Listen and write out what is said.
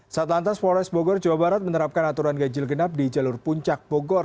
saat lantas polres bogor jawa barat menerapkan aturan ganjil genap di jalur puncak bogor